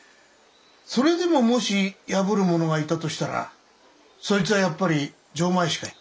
それでももし破る者がいたとしたらそいつはやっぱり錠前師かい？